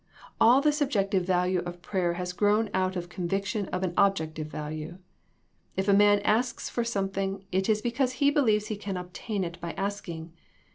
All the subjec tive value of prayer has grown out of conviction of an objective value. If a man asks for some thing, it is because he believes he can obtain it by asking.